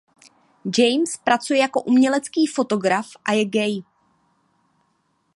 James pracuje jako umělecký fotograf a je gay.